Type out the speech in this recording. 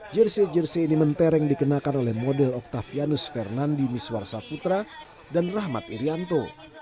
jersi jersi ini mentereng dikenakan oleh model octavianus fernandi miswar saputra dan rahmat irianto